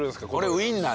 ウインナー！